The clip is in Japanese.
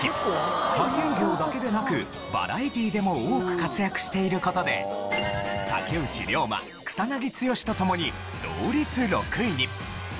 俳優業だけでなくバラエティーでも多く活躍している事で竹内涼真草剛と共に同率６位に。